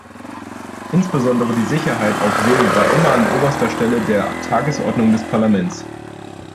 Insbesondere die Sicherheit auf See war immer an oberster Stelle der Tagesordnung des Parlaments.